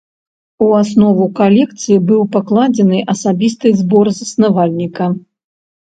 У аснову калекцыі быў пакладзена асабісты збор заснавальніка.